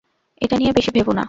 এটা নিয়ে বেশি ভেবো না।